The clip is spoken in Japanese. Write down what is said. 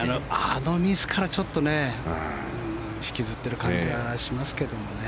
あのミスから引きずっている感じがしますけどね。